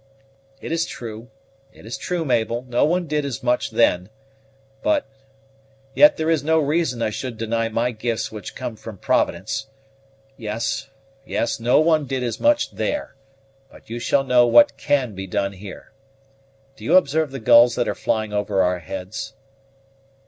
"It is true, it is true, Mabel, no one did as much then; but yet there is no reason I should deny my gifts which come from Providence yes, yes; no one did as much there, but you shall know what can be done here. Do you observe the gulls that are flying over our heads?"